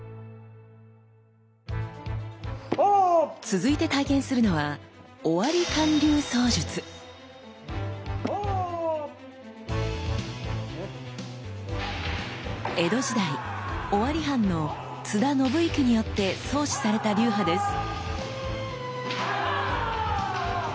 続いて体験するのは江戸時代尾張藩の津田信之によって創始された流派です。